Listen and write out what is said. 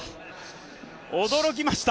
驚きました。